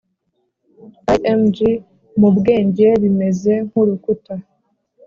Img mu bwenge bimeze nk urukuta